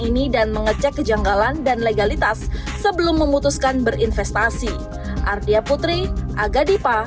ini dan mengecek kejanggalan dan legalitas sebelum memutuskan berinvestasi ardia putri aga dipa